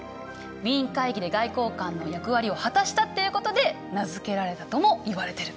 ウィーン会議で外交官の役割を果たしたっていうことで名付けられたともいわれてる。